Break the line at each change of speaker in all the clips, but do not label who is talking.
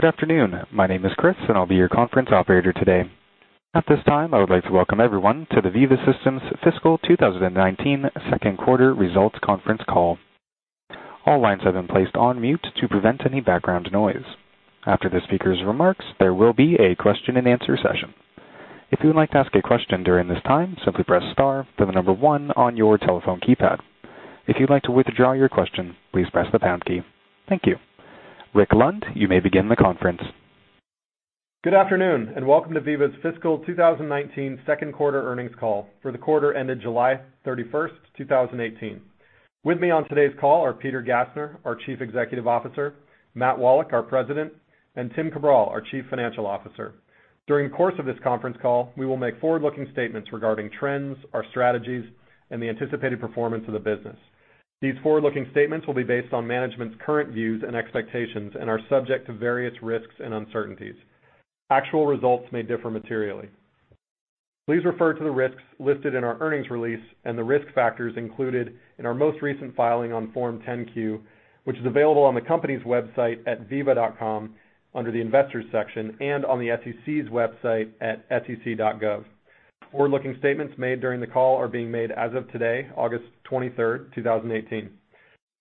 Good afternoon. My name is Chris, and I'll be your conference operator today. At this time, I would like to welcome everyone to the Veeva Systems Fiscal 2019 Second Quarter Results Conference Call. All lines have been placed on mute to prevent any background noise. After the speakers' remarks, there will be a question-and-answer session. If you would like to ask a question during this time, simply press star, then the number one on your telephone keypad. If you'd like to withdraw your question, please press the pound key. Thank you. Rick Lund, you may begin the conference.
Good afternoon, and welcome to Veeva's Fiscal 2019 Second Quarter Earnings Call for the quarter ended July 31st, 2018. With me on today's call are Peter Gassner, our Chief Executive Officer, Matt Wallach, our President, and Tim Cabral, our Chief Financial Officer. During the course of this conference call, we will make forward-looking statements regarding trends, our strategies, and the anticipated performance of the business. These forward-looking statements will be based on management's current views and expectations and are subject to various risks and uncertainties. Actual results may differ materially. Please refer to the risks listed in our earnings release and the risk factors included in our most recent filing on Form 10-Q, which is available on the company's website at veeva.com under the Investors section and on the SEC's website at sec.gov. Forward-looking statements made during the call are being made as of today, August 23rd, 2018.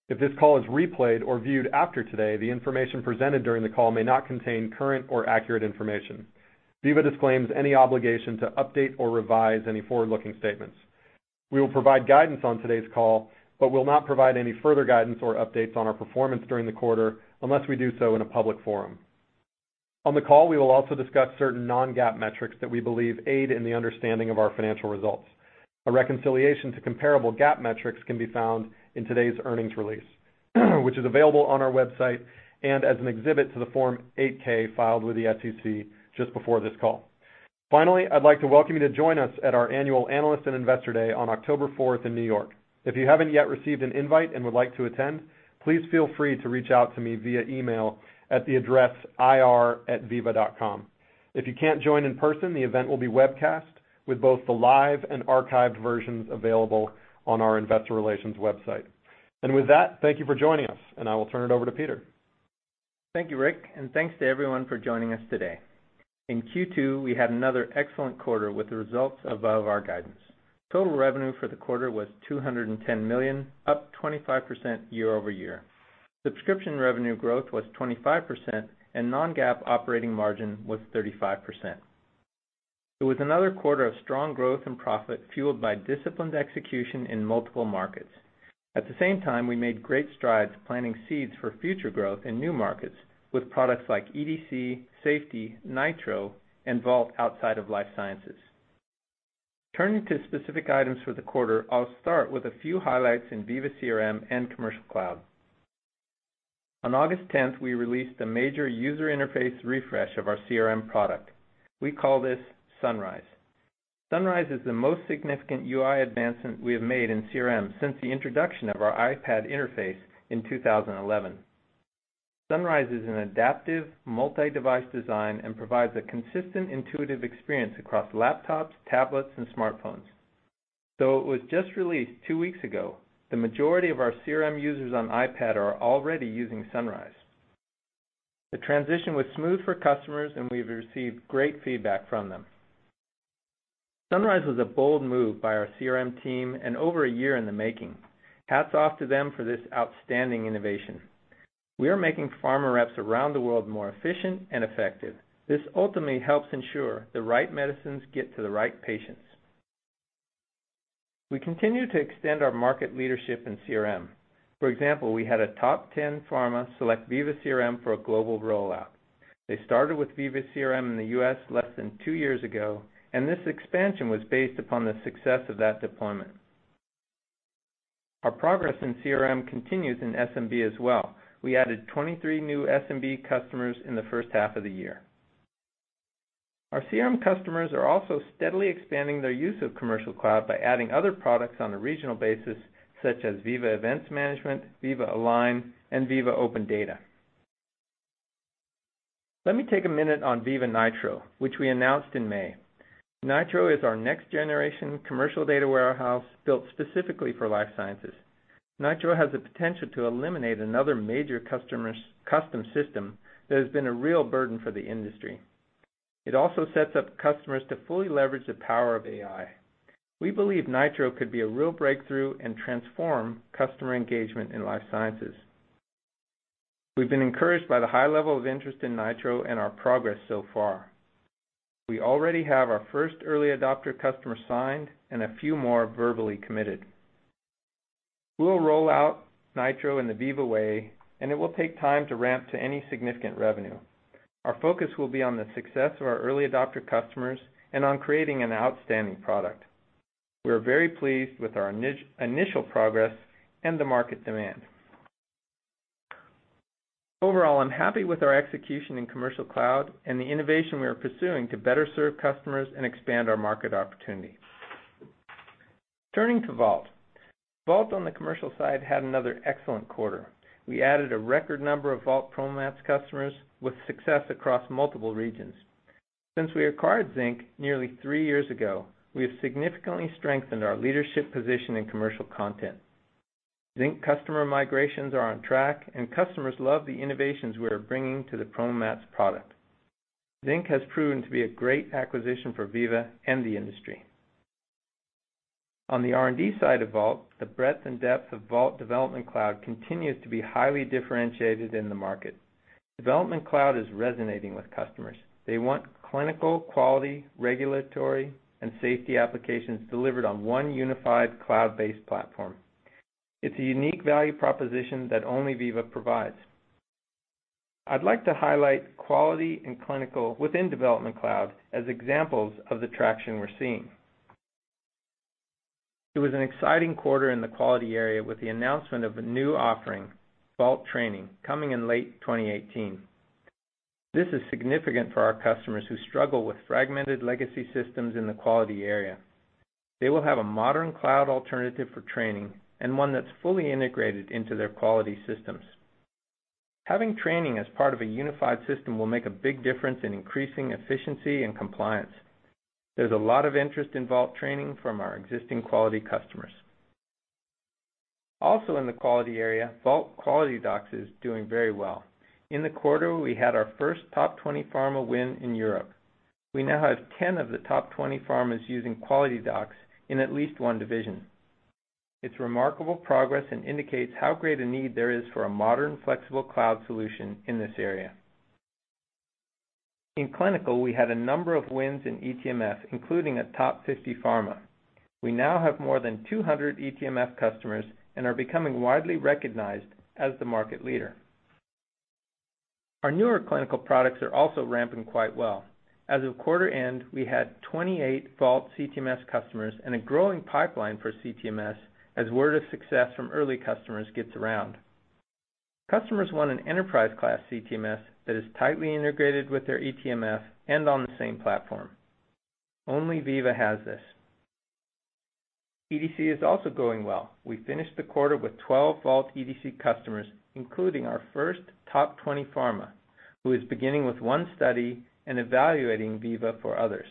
If this call is replayed or viewed after today, the information presented during the call may not contain current or accurate information. Veeva disclaims any obligation to update or revise any forward-looking statements. We will provide guidance on today's call, but will not provide any further guidance or updates on our performance during the quarter unless we do so in a public forum. On the call, we will also discuss certain non-GAAP metrics that we believe aid in the understanding of our financial results. A reconciliation to comparable GAAP metrics can be found in today's earnings release, which is available on our website and as an exhibit to the Form 8-K filed with the SEC just before this call. Finally, I'd like to welcome you to join us at our Annual Analyst and Investor Day on October 4th in New York. If you haven't yet received an invite and would like to attend, please feel free to reach out to me via email at the address ir@veeva.com. If you can't join in person, the event will be webcast with both the live and archived versions available on our investor relations website. With that, thank you for joining us, and I will turn it over to Peter.
Thank you, Rick, and thanks to everyone for joining us today. In Q2, we had another excellent quarter with the results above our guidance. Total revenue for the quarter was $210 million, up 25% year-over-year. Subscription revenue growth was 25%, and non-GAAP operating margin was 35%. It was another quarter of strong growth and profit fueled by disciplined execution in multiple markets. At the same time, we made great strides planting seeds for future growth in new markets with products like EDC, Safety, Nitro, and Vault outside of Life Sciences. Turning to specific items for the quarter, I'll start with a few highlights in Veeva CRM and Commercial Cloud. On August 10th, we released a major user interface refresh of our CRM product. We call this Sunrise. Sunrise is the most significant UI advancement we have made in CRM since the introduction of our iPad interface in 2011. Sunrise is an adaptive multi-device design and provides a consistent, intuitive experience across laptops, tablets, and smartphones. Though it was just released two weeks ago, the majority of our CRM users on iPad are already using Sunrise. The transition was smooth for customers, and we've received great feedback from them. Sunrise was a bold move by our CRM team and over one year in the making. Hats off to them for this outstanding innovation. We are making pharma reps around the world more efficient and effective. This ultimately helps ensure the right medicines get to the right patients. We continue to extend our market leadership in CRM. For example, we had a top 10 pharma select Veeva CRM for a global rollout. They started with Veeva CRM in the U.S. less than two years ago. This expansion was based upon the success of that deployment. Our progress in CRM continues in SMB as well. We added 23 new SMB customers in the first half of the year. Our CRM customers are also steadily expanding their use of Commercial Cloud by adding other products on a regional basis, such as Veeva Events Management, Veeva Align, and Veeva OpenData. Let me take a minute on Veeva Nitro, which we announced in May. Nitro is our next-generation commercial data warehouse built specifically for life sciences. Nitro has the potential to eliminate another major customer's custom system that has been a real burden for the industry. It also sets up customers to fully leverage the power of AI. We believe Nitro could be a real breakthrough and transform customer engagement in life sciences. We've been encouraged by the high level of interest in Nitro and our progress so far. We already have our first early adopter customer signed and a few more verbally committed. We will roll out Nitro in the Veeva way, and it will take time to ramp to any significant revenue. Our focus will be on the success of our early adopter customers and on creating an outstanding product. We are very pleased with our initial progress and the market demand. Overall, I'm happy with our execution in Commercial Cloud and the innovation we are pursuing to better serve customers and expand our market opportunity. Turning to Vault. Vault on the commercial side had another excellent quarter. We added a record number of Vault PromoMats customers with success across multiple regions. Since we acquired Zinc nearly three years ago, we have significantly strengthened our leadership position in commercial content. Zinc customer migrations are on track, and customers love the innovations we are bringing to the PromoMats product. Zinc has proven to be a great acquisition for Veeva and the industry. On the R&D side of Vault, the breadth and depth of Vault Development Cloud continues to be highly differentiated in the market. Development Cloud is resonating with customers. They want clinical, quality, regulatory, and safety applications delivered on one unified cloud-based platform. It's a unique value proposition that only Veeva provides. I'd like to highlight quality and clinical within Development Cloud as examples of the traction we're seeing. It was an exciting quarter in the quality area with the announcement of a new offering, Vault Training, coming in late 2018. This is significant for our customers who struggle with fragmented legacy systems in the quality area. They will have a modern cloud alternative for training and one that's fully integrated into their quality systems. Having training as part of a unified system will make a big difference in increasing efficiency and compliance. There's a lot of interest in Vault Training from our existing quality customers. Also in the quality area, Vault QualityDocs is doing very well. In the quarter, we had our first top 20 pharma win in Europe. We now have 10 of the top 20 pharmas using QualityDocs in at least one division. It's remarkable progress and indicates how great a need there is for a modern, flexible cloud solution in this area. In clinical, we had a number of wins in eTMF, including a top 50 pharma. We now have more than 200 eTMF customers and are becoming widely recognized as the market leader. Our newer clinical products are also ramping quite well. As of quarter end, we had 28 Vault CTMS customers and a growing pipeline for CTMS as word of success from early customers gets around. Customers want an enterprise-class CTMS that is tightly integrated with their eTMF and on the same platform. Only Veeva has this. EDC is also going well. We finished the quarter with 12 Vault EDC customers, including our first top 20 pharma, who is beginning with one study and evaluating Veeva for others.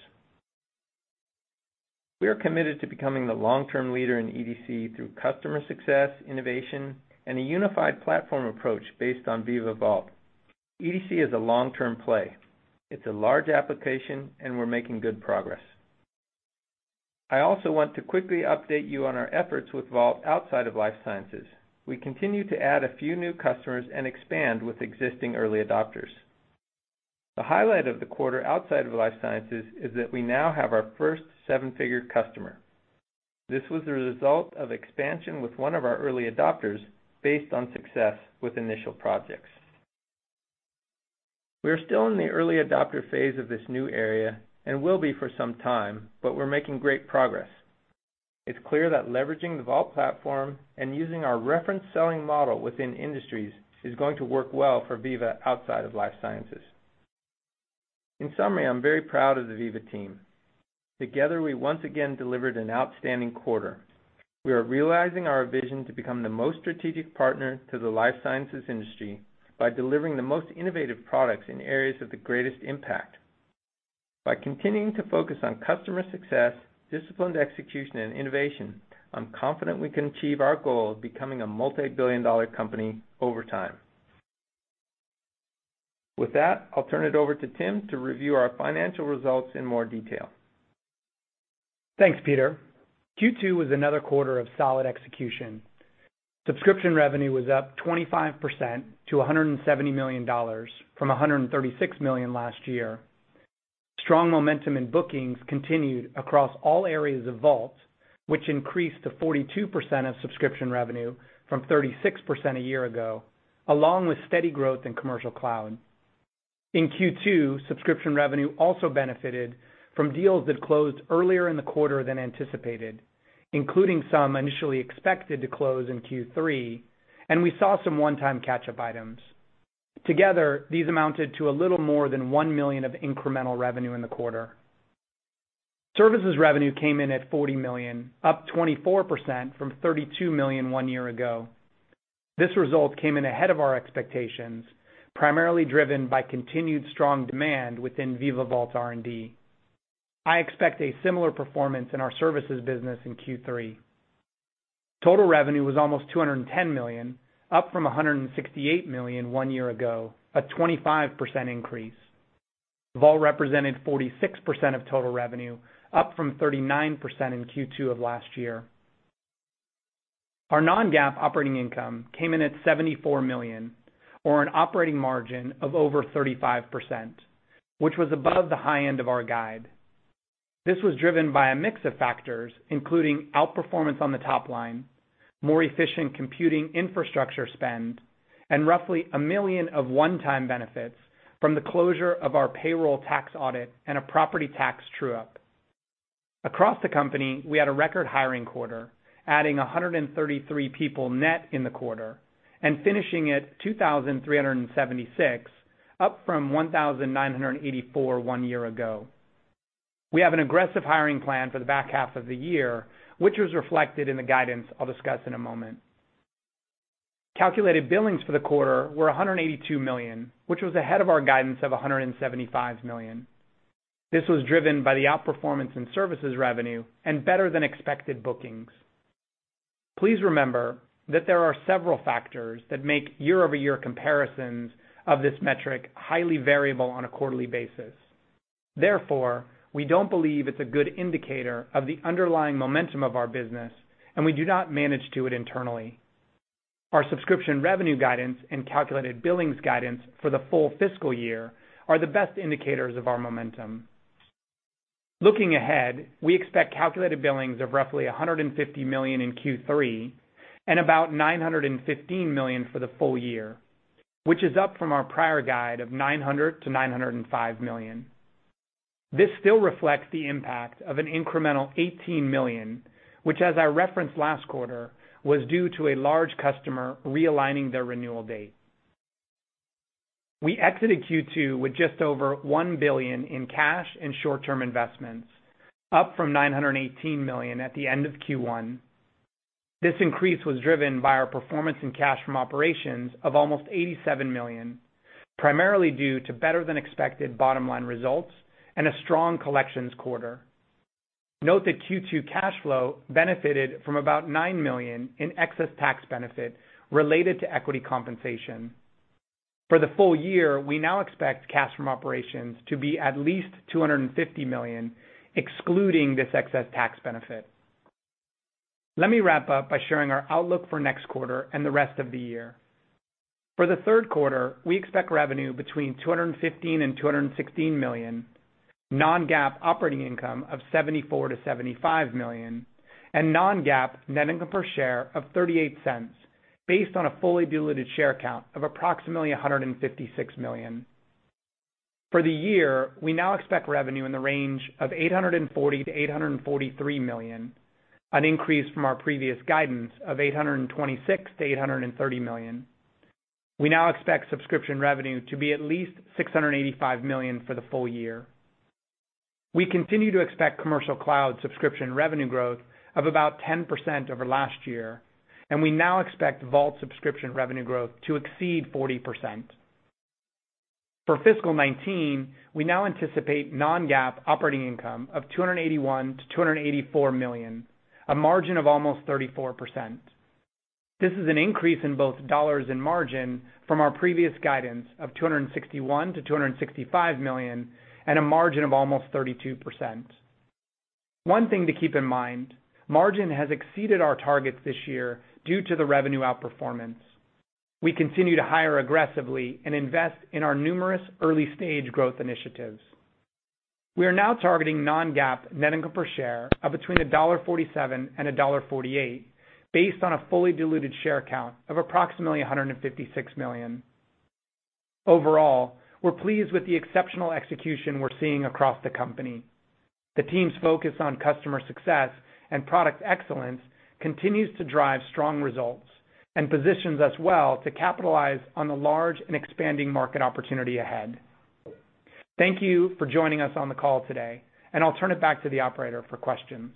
We are committed to becoming the long-term leader in EDC through customer success, innovation, and a unified platform approach based on Veeva Vault. EDC is a long-term play. It's a large application, we're making good progress. I also want to quickly update you on our efforts with Vault outside of life sciences. We continue to add a few new customers and expand with existing early adopters. The highlight of the quarter outside of life sciences is that we now have our first seven-figure customer. This was the result of expansion with one of our early adopters based on success with initial projects. We are still in the early adopter phase of this new area and will be for some time, but we're making great progress. It's clear that leveraging the Vault platform and using our reference selling model within industries is going to work well for Veeva outside of life sciences. In summary, I'm very proud of the Veeva team. Together, we once again delivered an outstanding quarter. We are realizing our vision to become the most strategic partner to the life sciences industry by delivering the most innovative products in areas of the greatest impact. By continuing to focus on customer success, disciplined execution, and innovation, I'm confident we can achieve our goal of becoming a multi-billion-dollar company over time. With that, I'll turn it over to Tim to review our financial results in more detail.
Thanks, Peter. Q2 was another quarter of solid execution. Subscription revenue was up 25% to $170 million from $136 million last year. Strong momentum in bookings continued across all areas of Vault, which increased to 42% of subscription revenue from 36% a year ago, along with steady growth in commercial cloud. In Q2, subscription revenue also benefited from deals that closed earlier in the quarter than anticipated, including some initially expected to close in Q3, and we saw some one-time catch-up items. Together, these amounted to a little more than $1 million of incremental revenue in the quarter. Services revenue came in at $40 million, up 24% from $32 million one year ago. This result came in ahead of our expectations, primarily driven by continued strong demand within Veeva Vault R&D. I expect a similar performance in our services business in Q3. Total revenue was almost $210 million, up from $168 million one year ago, a 25% increase. Vault represented 46% of total revenue, up from 39% in Q2 of last year. Our non-GAAP operating income came in at $74 million or an operating margin of over 35%, which was above the high end of our guide. This was driven by a mix of factors, including outperformance on the top line, more efficient computing infrastructure spend, and roughly $1 million of one-time benefits from the closure of our payroll tax audit and a property tax true-up. Across the company, we had a record hiring quarter, adding 133 people net in the quarter and finishing at 2,376, up from 1,984 one year ago. We have an aggressive hiring plan for the back half of the year, which was reflected in the guidance I'll discuss in a moment. Calculated billings for the quarter were $182 million, which was ahead of our guidance of $175 million. This was driven by the outperformance in services revenue and better than expected bookings. Please remember that there are several factors that make year-over-year comparisons of this metric highly variable on a quarterly basis. Therefore, we don't believe it's a good indicator of the underlying momentum of our business, and we do not manage to it internally. Our subscription revenue guidance and calculated billings guidance for the full fiscal year are the best indicators of our momentum. Looking ahead, we expect calculated billings of roughly $150 million in Q3 and about $915 million for the full year, which is up from our prior guide of $900 million-$905 million. This still reflects the impact of an incremental $18 million, which as I referenced last quarter, was due to a large customer realigning their renewal date. We exited Q2 with just over $1 billion in cash and short-term investments, up from $918 million at the end of Q1. This increase was driven by our performance in cash from operations of almost $87 million, primarily due to better than expected bottom line results and a strong collections quarter. Note that Q2 cash flow benefited from about $9 million in excess tax benefit related to equity compensation. For the full year, we now expect cash from operations to be at least $250 million, excluding this excess tax benefit. Let me wrap up by sharing our outlook for next quarter and the rest of the year. For the third quarter, we expect revenue between $215 million and $216 million, non-GAAP operating income of $74 million-$75 million, and non-GAAP net income per share of $0.38 based on a fully diluted share count of approximately 156 million. For the year, we now expect revenue in the range of $840 million-$843 million, an increase from our previous guidance of $826 million-$830 million. We now expect subscription revenue to be at least $685 million for the full year. We continue to expect Commercial Cloud subscription revenue growth of about 10% over last year, and we now expect Vault's subscription revenue growth to exceed 40%. For fiscal 2019, we now anticipate non-GAAP operating income of $281 million-$284 million, a margin of almost 34%. This is an increase in both dollars and margin from our previous guidance of $261 million-$265 million, and a margin of almost 32%. One thing to keep in mind, margin has exceeded our targets this year due to the revenue outperformance. We continue to hire aggressively and invest in our numerous early-stage growth initiatives. We are now targeting non-GAAP net income per share of between $1.47 and $1.48 based on a fully diluted share count of approximately 156 million. Overall, we're pleased with the exceptional execution we're seeing across the company. The team's focus on customer success and product excellence continues to drive strong results and positions us well to capitalize on the large and expanding market opportunity ahead. Thank you for joining us on the call today, and I'll turn it back to the operator for questions.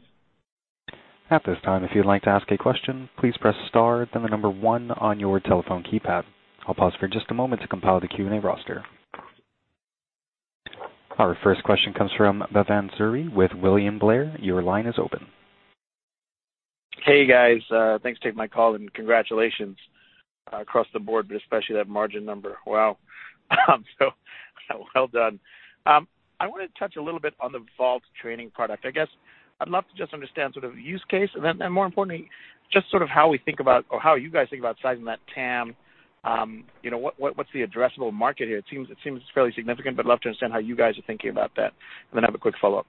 At this time, if you'd like to ask a question, please press star then the number 1 on your telephone keypad. I'll pause for just a moment to compile the Q&A roster. Our first question comes from Bhavan Suri with William Blair. Your line is open.
Hey, guys. Thanks for taking my call and congratulations across the board, but especially that margin number. Wow. Well done. I want to touch a little bit on the Vault Training product. I guess I'd love to just understand sort of the use case and more importantly, just sort of how we think about or how you guys think about sizing that TAM. You know, what's the addressable market here? It seems fairly significant, love to understand how you guys are thinking about that. I have a quick follow-up.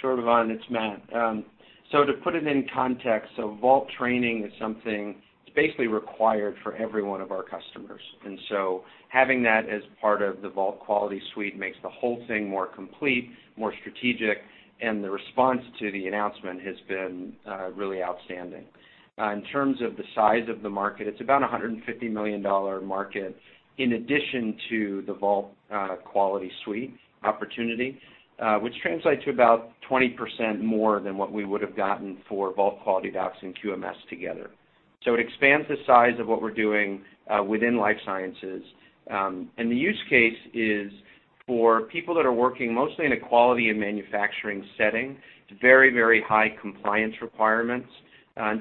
Sure, Bhavan. It's Matt. To put it in context, Veeva Vault Training is something that's basically required for every one of our customers. Having that as part of the Veeva Vault Quality Suite makes the whole thing more complete, more strategic, and the response to the announcement has been really outstanding. In terms of the size of the market, it's about a $150 million market in addition to the Veeva Vault Quality Suite opportunity, which translates to about 20% more than what we would have gotten for Veeva Vault QualityDocs and Veeva QMS together. It expands the size of what we're doing within life sciences. The use case is for people that are working mostly in a quality and manufacturing setting, it's very, very high compliance requirements.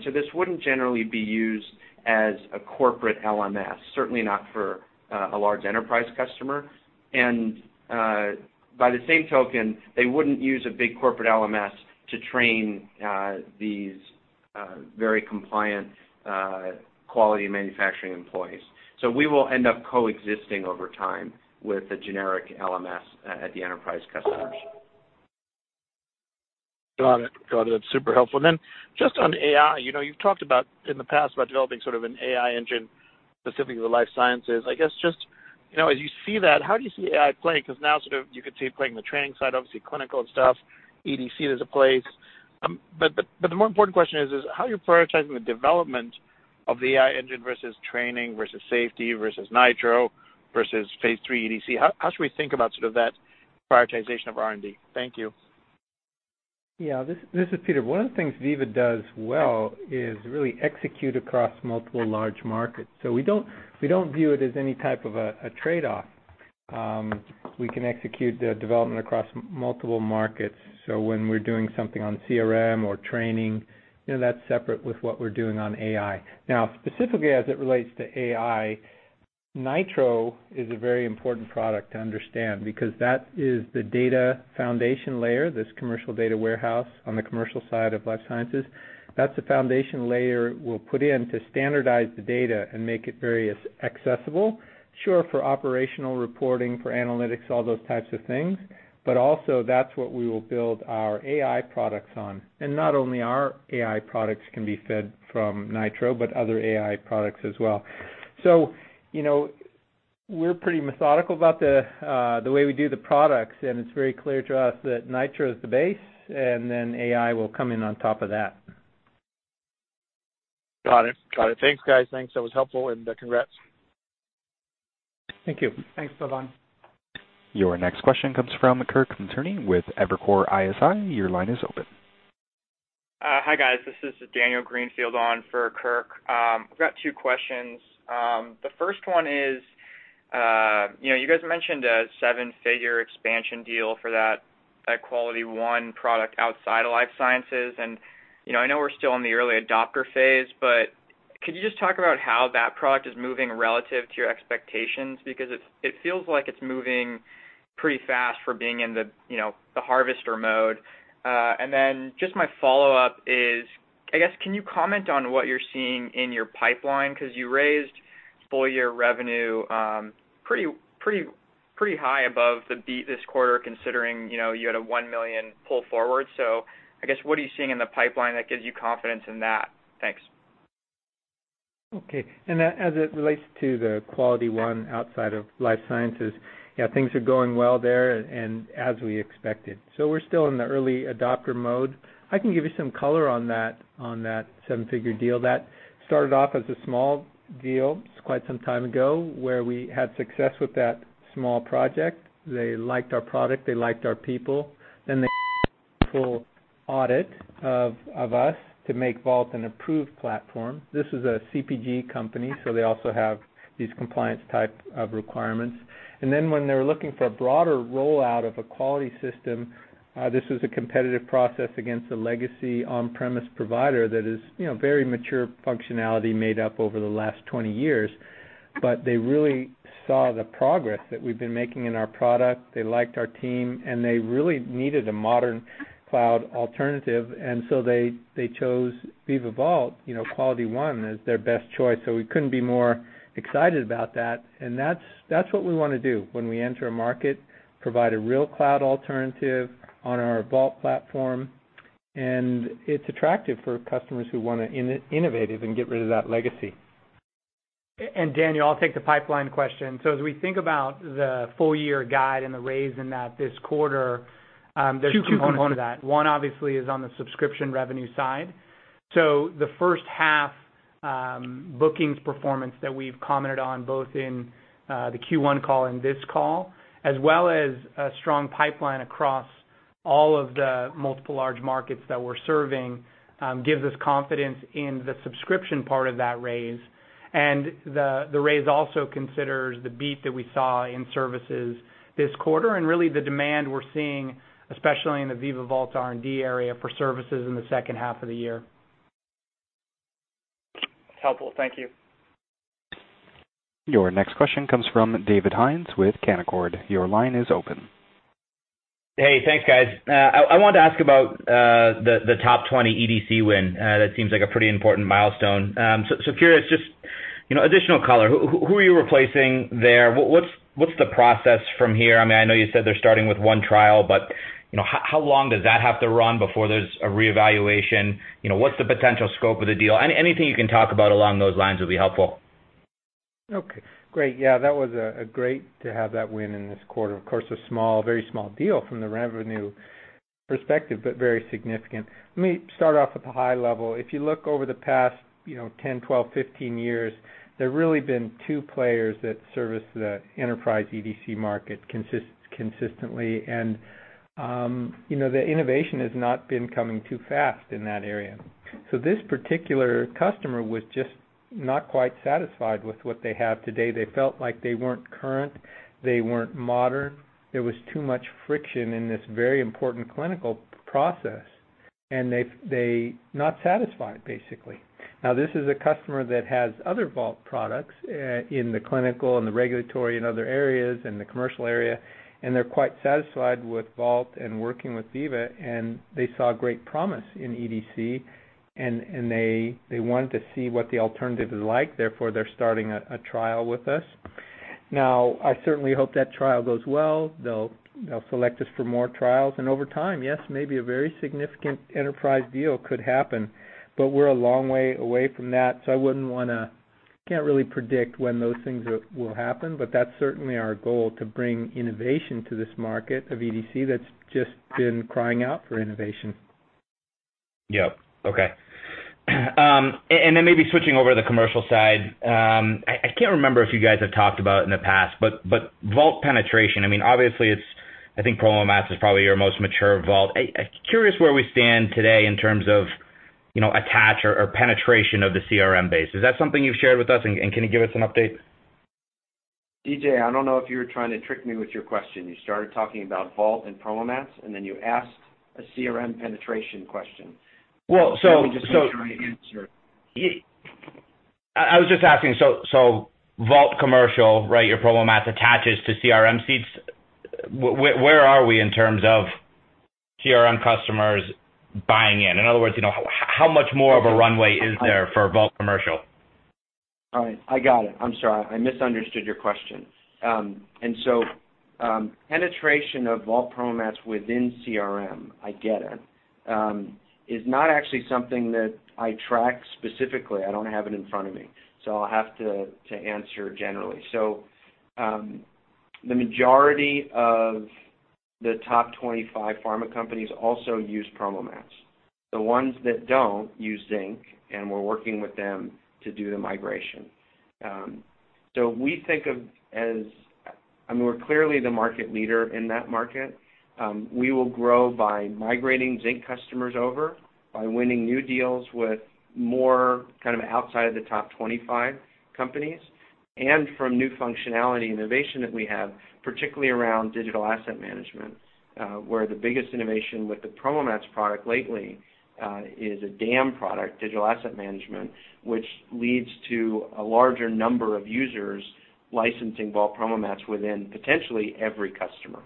This wouldn't generally be used as a corporate LMS, certainly not for a large enterprise customer. By the same token, they wouldn't use a big corporate LMS to train these very compliant quality manufacturing employees. We will end up coexisting over time with the generic LMS at the enterprise customers.
Got it. Got it. Super helpful. Just on AI, you know, you've talked about, in the past, about developing sort of an AI engine specifically for life sciences. I guess just, you know, as you see that, how do you see AI playing? 'Cause now sort of you could see it playing the training side, obviously clinical and stuff, EDC there's a place. But the more important question is how are you prioritizing the development of the AI engine versus training versus safety versus Nitro versus phase III EDC? How should we think about sort of that prioritization of R&D? Thank you.
This is Peter. One of the things Veeva does well is really execute across multiple large markets. We don't view it as any type of a trade-off. We can execute the development across multiple markets. When we're doing something on CRM or training, you know, that's separate with what we're doing on AI. Now, specifically as it relates to AI, Nitro is a very important product to understand because that is the data foundation layer, this commercial data warehouse on the commercial side of life sciences. That's the foundation layer we'll put in to standardize the data and make it very accessible, sure, for operational reporting, for analytics, all those types of things. Also, that's what we will build our AI products on. Not only our AI products can be fed from Nitro, but other AI products as well. You know, we're pretty methodical about the way we do the products, and it's very clear to us that Nitro is the base, and then AI will come in on top of that.
Got it. Got it. Thanks, guys. Thanks. That was helpful, and congrats.
Thank you.
Thanks. Bye-bye.
Your next question comes from Kirk Materne with Evercore ISI.
Hi, guys. This is Daniel Greenfield on for Kirk. I've got two questions. The first one is, you know, you guys mentioned a seven-figure expansion deal for that QualityOne product outside of life sciences. You know, I know we're still in the early adopter phase, but could you just talk about how that product is moving relative to your expectations? Because it feels like it's moving pretty fast for being in the, you know, the harvester mode. Just my follow-up is, I guess, can you comment on what you're seeing in your pipeline? 'Cause you raised full-year revenue, pretty high above the beat this quarter, considering, you know, you had a $1 million pull forward. I guess, what are you seeing in the pipeline that gives you confidence in that? Thanks.
Okay. As it relates to the QualityOne outside of life sciences, yeah, things are going well there and as we expected. We're still in the early adopter mode. I can give you some color on that, on that seven-figure deal. That started off as a small deal quite some time ago, where we had success with that small project. They liked our product. They liked our people. They full audit of us to make Vault an approved platform. This was a CPG company, they also have these compliance type of requirements. When they were looking for a broader rollout of a quality system, this was a competitive process against a legacy on-premise provider that is, you know, very mature functionality made up over the last 20 years. They really saw the progress that we've been making in our product. They liked our team. They really needed a modern cloud alternative. They chose Veeva Vault, you know, QualityOne as their best choice. We couldn't be more excited about that. That's what we wanna do when we enter a market, provide a real cloud alternative on our Vault platform. It's attractive for customers who wanna innovate and get rid of that legacy.
Daniel, I'll take the pipeline question. As we think about the full-year guide and the raise in that this quarter, there's two components to that. One, obviously, is on the subscription revenue side. The first half, bookings performance that we've commented on both in the Q1 call and this call, as well as a strong pipeline across all of the multiple large markets that we're serving, gives us confidence in the subscription part of that raise. The raise also considers the beat that we saw in services this quarter and really the demand we're seeing, especially in the Veeva Vault R&D area for services in the second half of the year.
That's helpful. Thank you.
Your next question comes from David Hynes with Canaccord Genuity. Your line is open.
Hey. Thanks, guys. I wanted to ask about the top 20 EDC win. That seems like a pretty important milestone. So curious, just, you know, additional color. Who are you replacing there? What's the process from here? I mean, I know you said they're starting with one trial, but, you know, how long does that have to run before there's a reevaluation? You know, what's the potential scope of the deal? Anything you can talk about along those lines would be helpful.
Okay. Great. Yeah, that was a great to have that win in this quarter. Of course, a small, very small deal from the revenue perspective, but very significant. Let me start off at the high level. If you look over the past, you know, 10, 12, 15 years, there really been two players that service the enterprise EDC market consistently. You know, the innovation has not been coming too fast in that area. This particular customer was just not quite satisfied with what they have today. They felt like they weren't current, they weren't modern. There was too much friction in this very important clinical process, they not satisfied, basically. This is a customer that has other Vault products in the clinical and the regulatory and other areas and the commercial area, and they're quite satisfied with Vault and working with Veeva, and they saw great promise in EDC and they wanted to see what the alternative is like, therefore, they're starting a trial with us. I certainly hope that trial goes well. They'll select us for more trials. Over time, yes, maybe a very significant enterprise deal could happen, but we're a long way away from that, so I can't really predict when those things will happen. That's certainly our goal, to bring innovation to this market of EDC that's just been crying out for innovation.
Yep. Okay. Then maybe switching over to the commercial side, I can't remember if you guys have talked about it in the past, but Vault penetration, I mean, obviously I think PromoMats is probably your most mature Vault. I'm curious where we stand today in terms of, you know, attach or penetration of the CRM base. Is that something you've shared with us and can you give us an update?
DJ, I don't know if you're trying to trick me with your question. You started talking about Vault and PromoMats, and then you asked a CRM penetration question.
Well, so.
Let me just make sure I answer it.
I was just asking, so Vault commercial, right, your PromoMats attaches to CRM seats. Where are we in terms of CRM customers buying in? In other words, you know, how much more of a runway is there for Vault commercial?
All right. I got it. I'm sorry. I misunderstood your question. Penetration of Vault PromoMats within CRM, I get it, is not actually something that I track specifically. I don't have it in front of me, so I'll have to answer generally. The majority of the top 25 pharma companies also use PromoMats. The ones that don't use Zinc, and we're working with them to do the migration. We think of as, I mean, we're clearly the market leader in that market. We will grow by migrating Zinc customers over, by winning new deals with more kind of outside of the top 25 companies, and from new functionality innovation that we have, particularly around digital asset management, where the biggest innovation with the PromoMats product lately, is a DAM product, digital asset management, which leads to a larger number of users licensing Vault PromoMats within potentially every customer.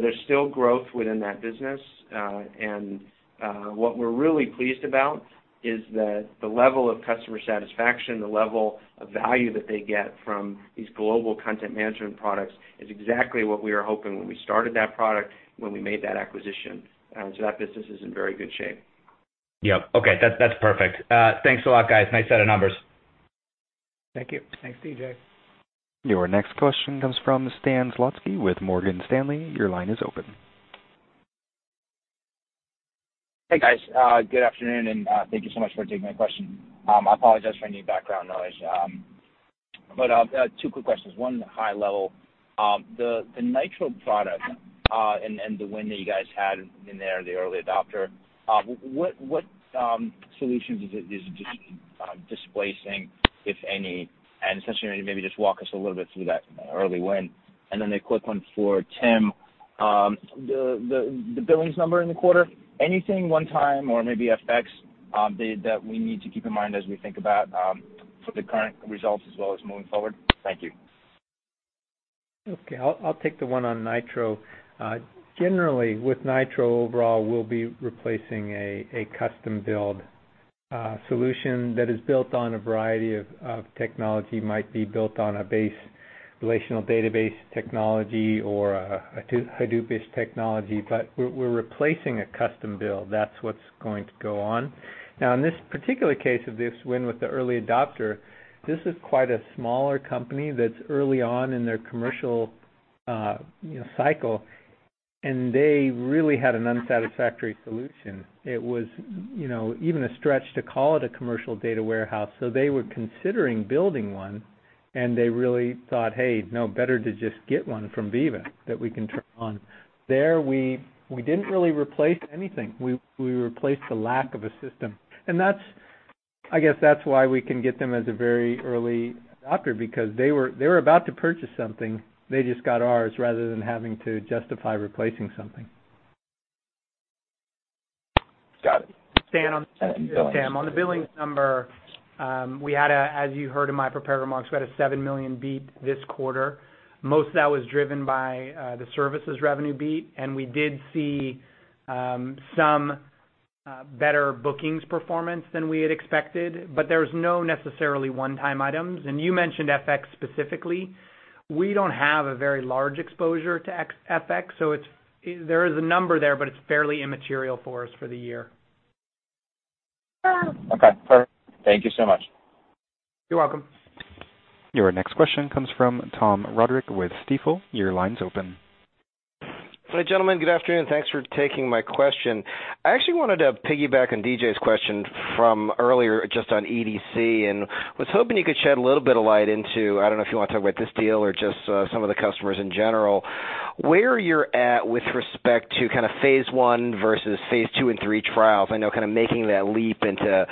There's still growth within that business. What we're really pleased about is that the level of customer satisfaction, the level of value that they get from these global content management products is exactly what we were hoping when we started that product, when we made that acquisition. That business is in very good shape.
Yep. Okay. That's perfect. Thanks a lot, guys. Nice set of numbers.
Thank you.
Thanks, DJ.
Your next question comes from Stan Zlotsky with Morgan Stanley. Your line is open.
Hey, guys. Good afternoon, and thank you so much for taking my question. I apologize for any background noise. But two quick questions. One high level. The Nitro product, and the win that you guys had in there, the early adopter, what solutions is it displacing, if any? Essentially maybe just walk us a little bit through that early win. Then a quick one for Tim. The billings number in the quarter, anything one-time or maybe FX that we need to keep in mind as we think about for the current results as well as moving forward? Thank you.
Okay. I'll take the one on Nitro. Generally with Nitro overall, we'll be replacing a custom build solution that is built on a variety of technology. Might be built on a base relational database technology or a two Hadoop-ish technology. We're replacing a custom build. That's what's going to go on. Now, in this particular case of this win with the early adopter, this is quite a smaller company that's early on in their commercial, you know, cycle, and they really had an unsatisfactory solution. It was, you know, even a stretch to call it a commercial data warehouse. They were considering building one, and they really thought, "Hey, no, better to just get one from Veeva that we can turn on." There we didn't really replace anything. We replaced the lack of a system. I guess that's why we can get them as a very early adopter, because they were about to purchase something. They just got ours rather than having to justify replacing something.
Got it.
Stan,
Thanks. Tim
On the billings number, we had a, as you heard in my prepared remarks, we had a $7 million beat this quarter. Most of that was driven by the services revenue beat, and we did see some better bookings performance than we had expected, but there's no necessarily one-time items. You mentioned FX specifically. We don't have a very large exposure to FX, so there is a number there, but it's fairly immaterial for us for the year.
Okay, perfect. Thank you so much.
You're welcome.
Your next question comes from Tom Roderick with Stifel. Your line's open.
Hi, gentlemen. Good afternoon. Thanks for taking my question. I actually wanted to piggyback on DJ's question from earlier just on EDC, and was hoping you could shed a little bit of light into, I don't know if you wanna talk about this deal or just some of the customers in general, where you're at with respect to kind of phase I versus phase II and III trials. I know kind of making that leap into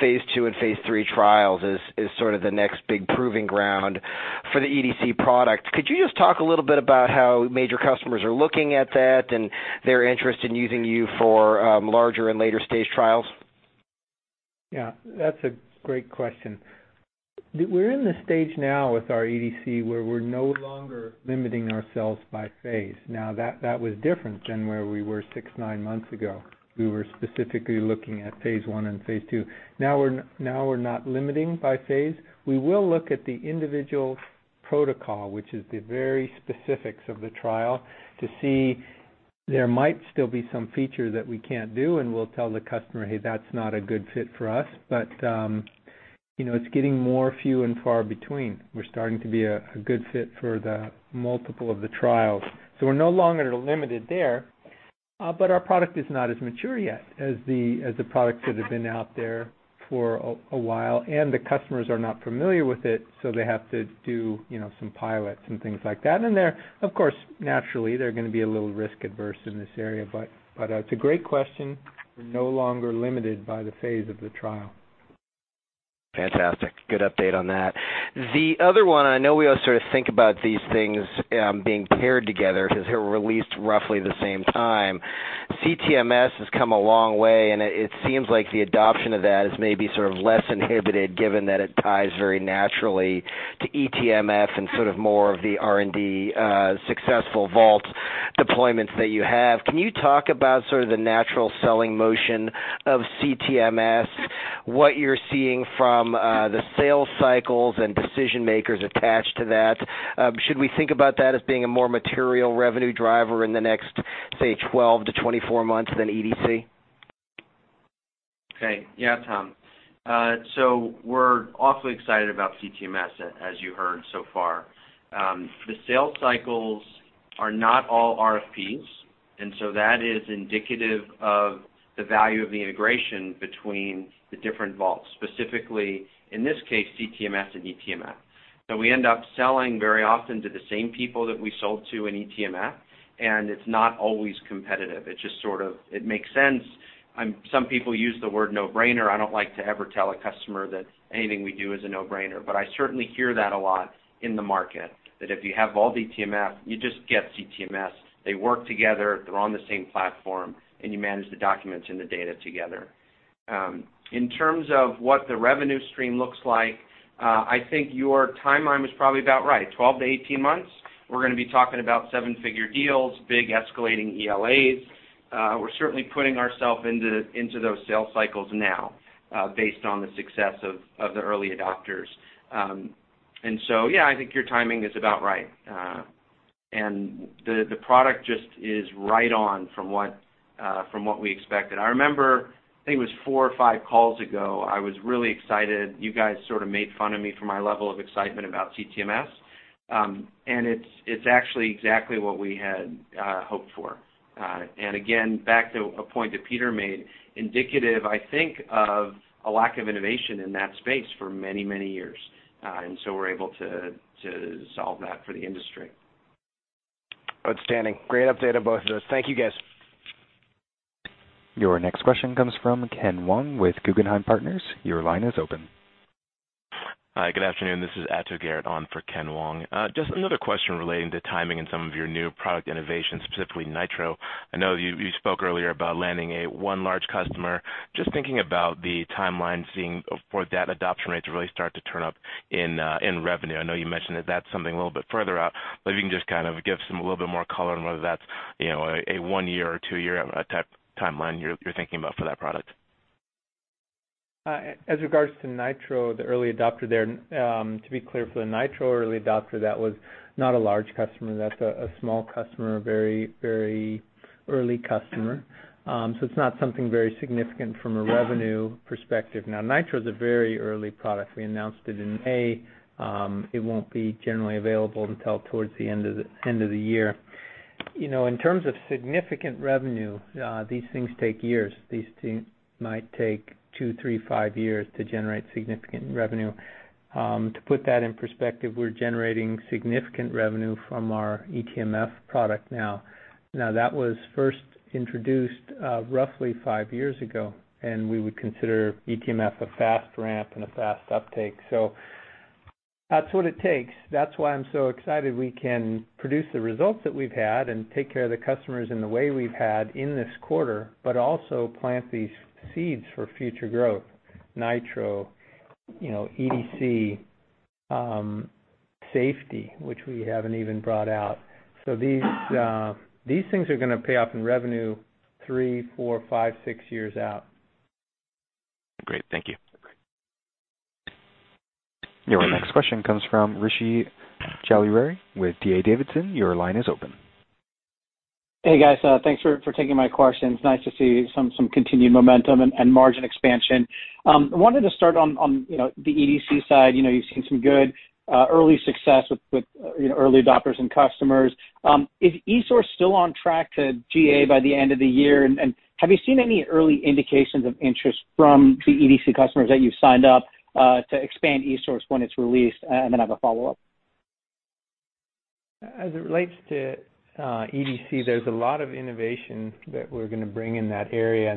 phase II and phase III trials is sort of the next big proving ground for the EDC product. Could you just talk a little bit about how major customers are looking at that and their interest in using you for larger and later-stage trials?
Yeah, that's a great question. We're in the stage now with our EDC where we're no longer limiting ourselves by phase. That was different than where we were six, nine months ago. We were specifically looking at phase I and phase II. Now we're not limiting by phase. We will look at the individual protocol, which is the very specifics of the trial, to see there might still be some feature that we can't do, and we'll tell the customer, "Hey, that's not a good fit for us." But. You know, it's getting more few and far between. We're starting to be a good fit for the multiple of the trials. We're no longer limited there, but our product is not as mature yet as the products that have been out there for a while, and the customers are not familiar with it, so they have to do, you know, some pilots and things like that. They're, of course, naturally they're gonna be a little risk-averse in this area. It's a great question. We're no longer limited by the phase of the trial.
Fantastic. Good update on that. The other one, I know we all sort of think about these things, being paired together because they were released roughly the same time. CTMS has come a long way, and it seems like the adoption of that is maybe sort of less inhibited given that it ties very naturally to eTMF and sort of more of the R&D, successful vault deployments that you have. Can you talk about sort of the natural selling motion of CTMS, what you're seeing from, the sales cycles and decision-makers attached to that? Should we think about that as being a more material revenue driver in the next, say, 12-24 months than EDC?
Okay. Yeah, Tom. we're awfully excited about CTMS as you heard so far. the sales cycles are not all RFPs, that is indicative of the value of the integration between the different vaults, specifically in this case, CTMS and eTMF. we end up selling very often to the same people that we sold to in eTMF, it's not always competitive. It just sort of it makes sense. some people use the word no-brainer. I don't like to ever tell a customer that anything we do is a no-brainer. I certainly hear that a lot in the market, that if you have all the eTMF, you just get CTMS. They work together, they're on the same platform, you manage the documents and the data together. In terms of what the revenue stream looks like, I think your timeline was probably about right. 12-18 months, we're gonna be talking about 7-figure deals, big escalating ELAs. We're certainly putting ourself into those sales cycles now, based on the success of the early adopters. Yeah, I think your timing is about right. The product just is right on from what we expected. I remember, I think it was four or five calls ago, I was really excited. You guys sort of made fun of me for my level of excitement about CTMS. It's actually exactly what we had hoped for. Again, back to a point that Peter made, indicative, I think, of a lack of innovation in that space for many, many years. We're able to solve that for the industry.
Outstanding. Great update on both of those. Thank you, guys.
Your next question comes from Kenneth Wong with Guggenheim Partners. Your line is open.
Hi, good afternoon. This is Ato Garrett on for Kenneth Wong. Just another question relating to timing and some of your new product innovations, specifically Veeva Nitro. I know you spoke earlier about landing a 1 large customer. Just thinking about the timeline, seeing for that adoption rate to really start to turn up in revenue. I know you mentioned that that's something a little bit further out. If you can just kind of give some a little bit more color on whether that's, you know, a one-year or two-year type timeline you're thinking about for that product.
As regards to Nitro, the early adopter there, to be clear, for the Nitro early adopter, that was not a large customer. That's a small customer, a very early customer. It's not something very significant from a revenue perspective. Now, Nitro is a very early product. We announced it in May. It won't be generally available until towards the end of the year. You know, in terms of significant revenue, these things take years. These things might take two, three, five years to generate significant revenue. To put that in perspective, we're generating significant revenue from our eTMF product now. Now, that was first introduced, roughly five years ago, and we would consider eTMF a fast ramp and a fast uptake. That's what it takes. That's why I'm so excited we can produce the results that we've had and take care of the customers in the way we've had in this quarter, but also plant these seeds for future growth. Nitro, you know, EDC, Safety, which we haven't even brought out. These things are gonna pay off in revenue three, four, five, six years out.
Great. Thank you.
Your next question comes from Rishi Jaluria with D.A. Davidson. Your line is open.
Hey, guys. Thanks for taking my questions. Nice to see continued momentum and margin expansion. I wanted to start on, you know, the EDC side. You know, you've seen some good early success with, you know, early adopters and customers. Is eSource still on track to GA by the end of the year? Have you seen any early indications of interest from the EDC customers that you've signed up to expand eSource when it's released? Then I have a follow-up.
As it relates to EDC, there's a lot of innovation that we're going to bring in that area.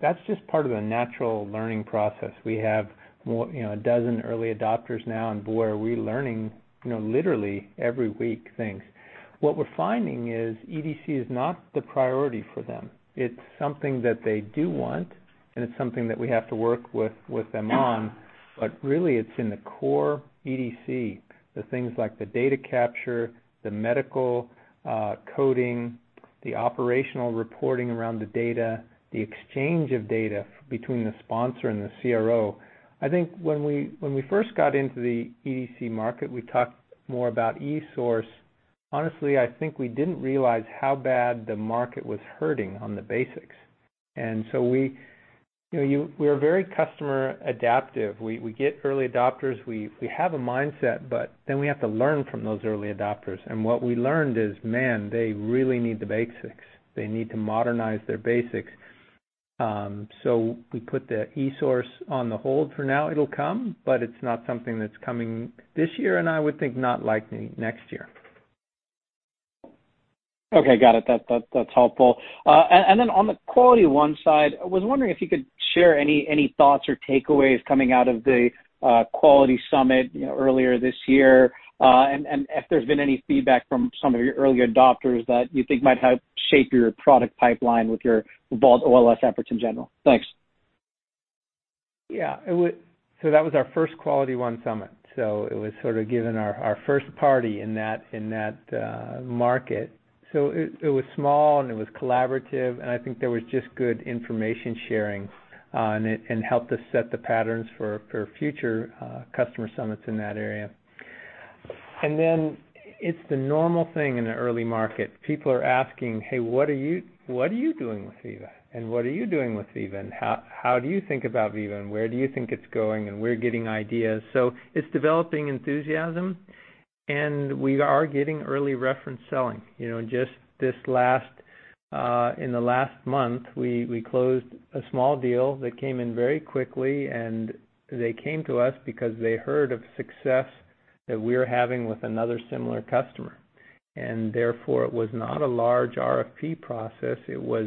That's just part of the natural learning process. We have more, you know, a dozen early adopters now, and boy, are we learning, you know, literally every week things. What we're finding is EDC is not the priority for them. It's something that they do want, and it's something that we have to work with them on. Really it's in the core EDC, the things like the data capture, the medical coding, the operational reporting around the data, the exchange of data between the sponsor and the CRO. I think when we first got into the EDC market, we talked more about eSource. Honestly, I think we didn't realize how bad the market was hurting on the basics. We, you know, we're very customer adaptive. We get early adopters. We have a mindset, we have to learn from those early adopters. What we learned is, man, they really need the basics. They need to modernize their basics. We put the eSource on the hold for now. It'll come, it's not something that's coming this year, I would think not likely next year.
Okay. Got it. That's helpful. Then on the QualityOne side, I was wondering if you could share any thoughts or takeaways coming out of the Quality Summit, you know, earlier this year, and if there's been any feedback from some of your early adopters that you think might help shape your product pipeline with your Vault OLS efforts in general. Thanks.
So that was our first QualityOne Summit. It was sort of giving our first party in that market. It was small, and it was collaborative, and I think there was just good information sharing and helped us set the patterns for future customer Summits in that area. It's the normal thing in an early market. People are asking, "Hey, what are you doing with Veeva? What are you doing with Veeva? How do you think about Veeva, and where do you think it's going?" We're getting ideas. It's developing enthusiasm, and we are getting early reference selling. You know, just this last, in the last month, we closed a small deal that came in very quickly, and they came to us because they heard of success that we're having with another similar customer. Therefore, it was not a large RFP process. It was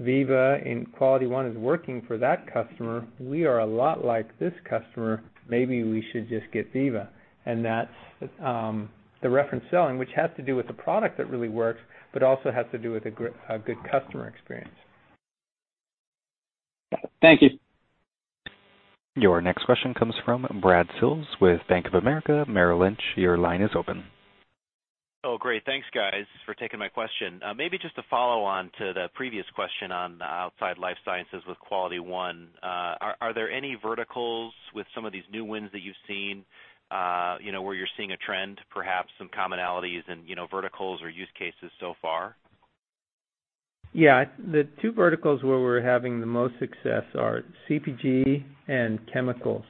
Veeva and QualityOne is working for that customer. We are a lot like this customer. Maybe we should just get Veeva. That's the reference selling, which has to do with the product that really works but also has to do with a good customer experience.
Thank you.
Your next question comes from Brad Sills with Bank of America Merrill Lynch. Your line is open.
Oh, great. Thanks, guys, for taking my question. Maybe just to follow on to the previous question on the outside life sciences with QualityOne, are there any verticals with some of these new wins that you've seen, where you're seeing a trend, perhaps some commonalities in verticals or use cases so far?
Yeah. The two verticals where we're having the most success are CPG and chemicals.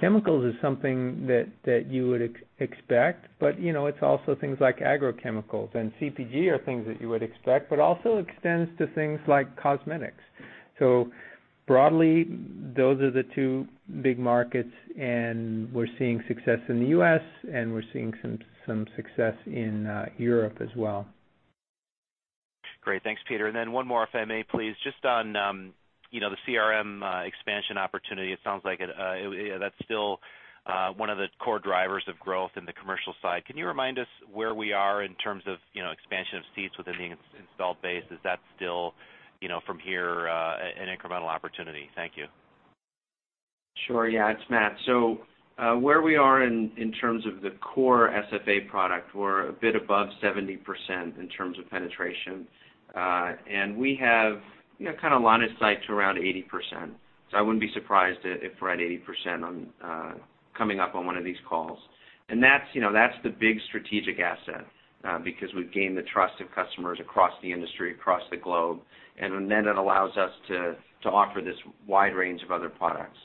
Chemicals is something that you would expect, but you know, it's also things like agrochemicals. CPG are things that you would expect, but also extends to things like cosmetics. Broadly, those are the two big markets, and we're seeing success in the U.S., and we're seeing some success in Europe as well.
Great. Thanks, Peter. One more, if I may please. Just on, you know, the CRM expansion opportunity. It sounds like it, you know, that's still one of the core drivers of growth in the commercial side. Can you remind us where we are in terms of, you know, expansion of seats within the installed base? Is that still, you know, from here, an incremental opportunity? Thank you.
Sure. Yeah. It's Matt. Where we are in terms of the core SFA product, we're a bit above 70% in terms of penetration. And we have, you know, kind of line of sight to around 80%. I wouldn't be surprised if we're at 80% on coming up on one of these calls. That's, you know, that's the big strategic asset because we've gained the trust of customers across the industry, across the globe, and then it allows us to offer this wide range of other products.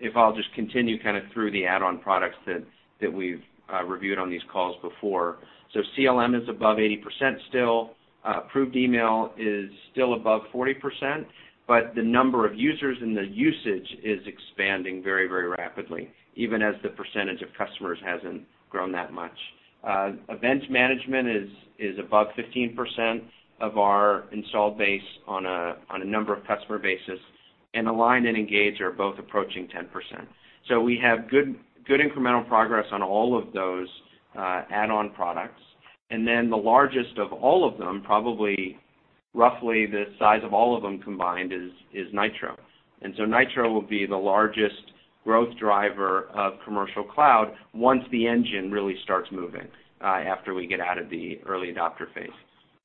If I'll just continue kind of through the add-on products that we've reviewed on these calls before. CLM is above 80% still. Approved Email is still above 40%, but the number of users and the usage is expanding very, very rapidly, even as the percentage of customers hasn't grown that much. events management is above 15% of our installed base on a number of customer basis, and Align and Engage are both approaching 10%. We have good incremental progress on all of those add-on products. Then the largest of all of them, probably roughly the size of all of them combined, is Nitro. Nitro will be the largest growth driver of Commercial Cloud once the engine really starts moving after we get out of the early adopter phase.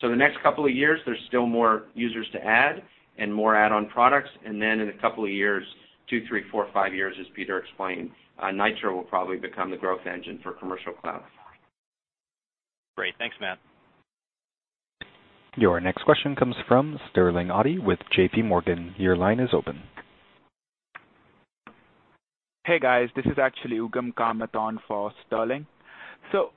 The next couple of years, there's still more users to add and more add-on products. In a couple of years, two, three, four, five years, as Peter explained, Nitro will probably become the growth engine for Commercial Cloud.
Great. Thanks, Matt.
Your next question comes from Sterling Auty with JPMorgan. Your line is open.
Hey, guys. This is actually Ugam Kamat for Sterling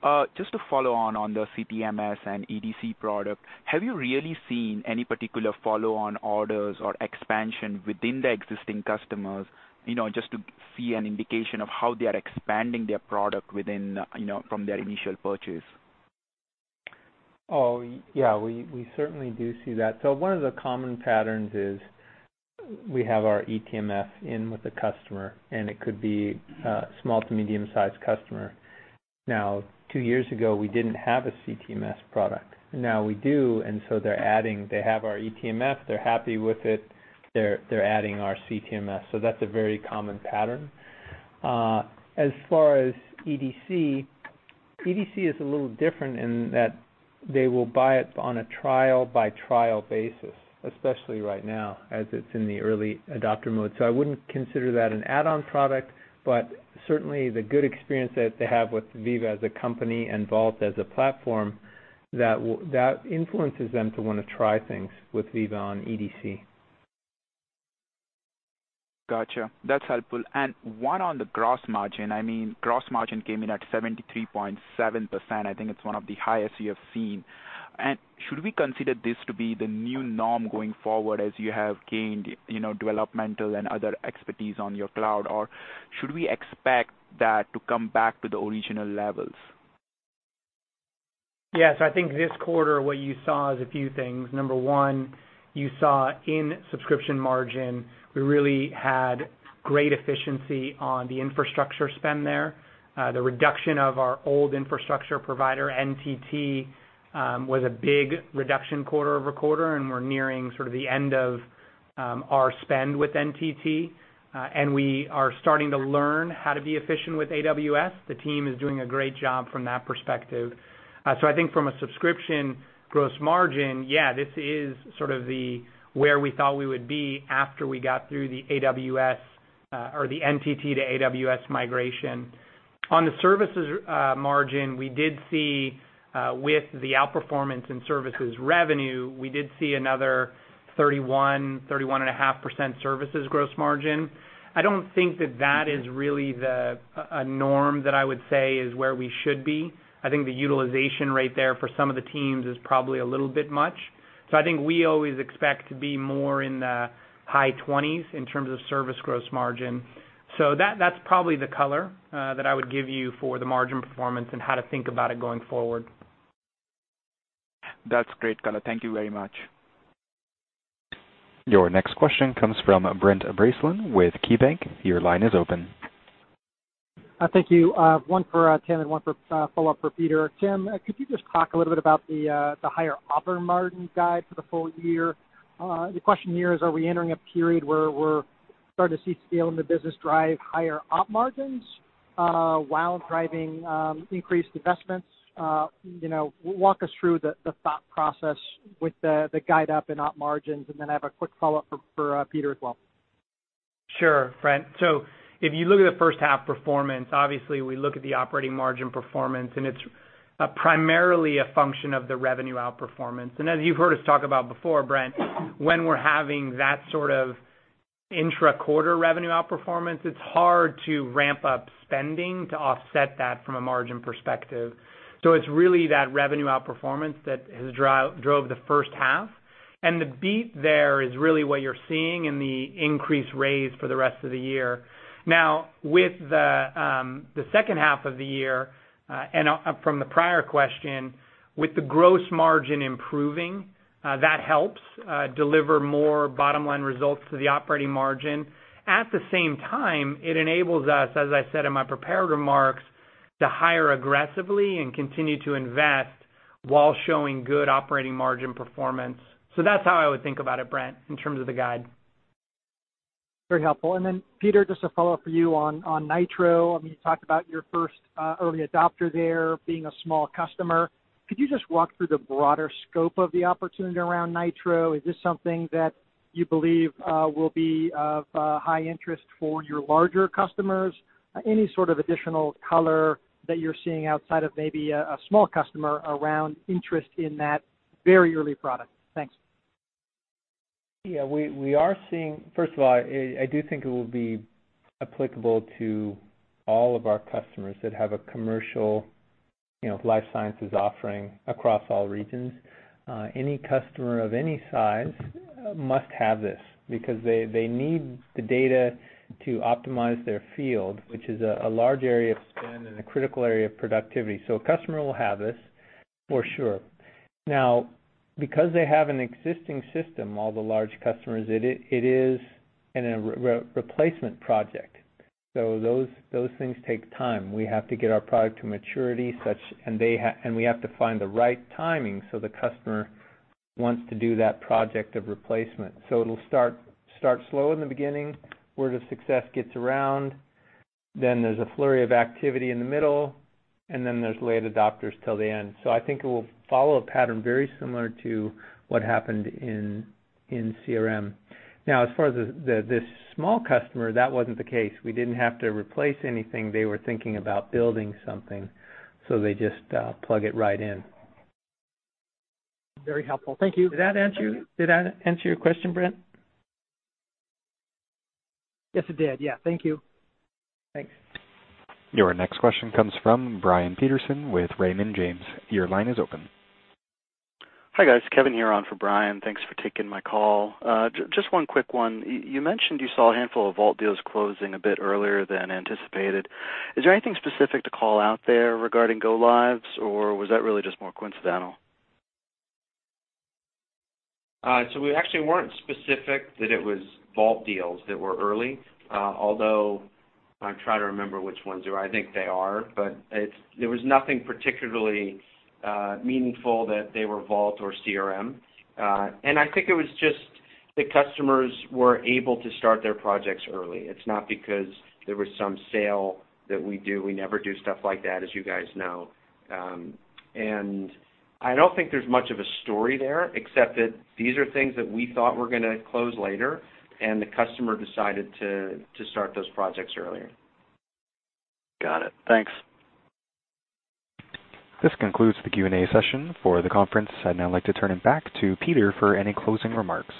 Auty. Just to follow on on the CTMS and EDC product, have you really seen any particular follow-on orders or expansion within the existing customers, you know, just to see an indication of how they are expanding their product within, you know, from their initial purchase?
We certainly do see that. One of the common patterns is we have our Veeva Vault eTMF in with a customer, and it could be a small to medium-sized customer. Now, two years ago, we didn't have a Veeva CTMS product. Now we do, they have our Veeva Vault eTMF, they're happy with it, they're adding our Veeva CTMS. That's a very common pattern. As far as Veeva EDC, Veeva EDC is a little different in that they will buy it on a trial-by-trial basis, especially right now as it's in the early adopter mode. I wouldn't consider that an add-on product, but certainly the good experience that they have with Veeva as a company and Veeva Vault as a platform, that influences them to wanna try things with Veeva on Veeva EDC.
Gotcha. That's helpful. One on the gross margin. I mean, gross margin came in at 73.7%. I think it's one of the highest you have seen. Should we consider this to be the new norm going forward as you have gained, you know, developmental and other expertise on your cloud? Or should we expect that to come back to the original levels?
I think this quarter what you saw is a few things. Number one, you saw in subscription margin, we really had great efficiency on the infrastructure spend there. The reduction of our old infrastructure provider, NTT, was a big reduction quarter-over-quarter, and we're nearing sort of the end of our spend with NTT. We are starting to learn how to be efficient with AWS. The team is doing a great job from that perspective. I think from a subscription gross margin, this is sort of the where we thought we would be after we got through the AWS, or the NTT to AWS migration. On the services margin, we did see, with the outperformance in services revenue, we did see another 31.5% services gross margin. I don't think that that is really the a norm that I would say is where we should be. I think the utilization rate there for some of the teams is probably a little bit much. I think we always expect to be more in the high twenties in terms of service gross margin. That's probably the color that I would give you for the margin performance and how to think about it going forward.
That's great color. Thank you very much.
Your next question comes from Brent Bracelin with KeyBank. Your line is open.
Thank you. One for Tim and one for follow-up for Peter. Tim, could you just talk a little bit about the higher op margin guide for the full year? The question here is are we entering a period where we're starting to see scale in the business drive higher op margins, while driving increased investments? You know, walk us through the thought process with the guide up in op margins. Then I have a quick follow-up for Peter as well.
Sure, Brent. If you look at the first half performance, obviously we look at the operating margin performance, and it's primarily a function of the revenue outperformance. As you've heard us talk about before, Brent, when we're having that sort of intra-quarter revenue outperformance, it's hard to ramp up spending to offset that from a margin perspective. It's really that revenue outperformance that has drove the first half. The beat there is really what you're seeing in the increased raise for the rest of the year. Now, with the second half of the year, and from the prior question, with the gross margin improving, that helps deliver more bottom-line results to the operating margin. At the same time, it enables us, as I said in my prepared remarks, to hire aggressively and continue to invest while showing good operating margin performance. That's how I would think about it, Brent, in terms of the guide.
Very helpful. Then Peter, just a follow-up for you on Nitro. I mean, you talked about your first early adopter there being a small customer. Could you just walk through the broader scope of the opportunity around Nitro? Is this something that you believe will be of high interest for your larger customers? Any sort of additional color that you're seeing outside of maybe a small customer around interest in that very early product? Thanks.
Yeah. We are seeing. First of all, I do think it will be applicable to all of our customers that have a commercial, you know, life sciences offering across all regions. Any customer of any size must have this because they need the data to optimize their field, which is a large area of spend and a critical area of productivity. A customer will have this for sure. Now, because they have an existing system, all the large customers, it is in a replacement project. Those things take time. We have to get our product to maturity such. We have to find the right timing so the customer wants to do that project of replacement. It'll start slow in the beginning, word of success gets around, then there's a flurry of activity in the middle, and then there's late adopters till the end. I think it will follow a pattern very similar to what happened in CRM. As far as the, this small customer, that wasn't the case. We didn't have to replace anything. They were thinking about building something, so they just plug it right in.
Very helpful. Thank you.
Did that answer you? Did that answer your question, Brent?
Yes, it did. Yeah. Thank you.
Thanks.
Your next question comes from Brian Peterson with Raymond James. Your line is open.
Hi, guys. Kevin here on for Brian. Thanks for taking my call. Just one quick one. You mentioned you saw a handful of Vault deals closing a bit earlier than anticipated. Is there anything specific to call out there regarding go lives, or was that really just more coincidental?
We actually weren't specific that it was Vault deals that were early, although I'm trying to remember which ones were. I think they are, but it's, there was nothing particularly meaningful that they were Vault or CRM. I think it was just the customers were able to start their projects early. It's not because there was some sale that we do. We never do stuff like that, as you guys know. I don't think there's much of a story there, except that these are things that we thought were gonna close later and the customer decided to start those projects earlier.
Got it. Thanks.
This concludes the Q&A session for the conference. I'd now like to turn it back to Peter for any closing remarks.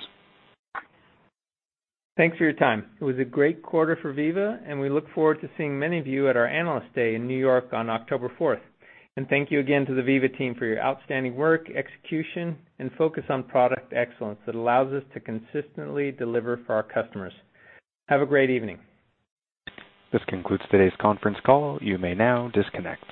Thanks for your time. It was a great quarter for Veeva, and we look forward to seeing many of you at our Analyst Day in New York on October 4th. Thank you again to the Veeva team for your outstanding work, execution, and focus on product excellence that allows us to consistently deliver for our customers. Have a great evening.
This concludes today's conference call. You may now disconnect.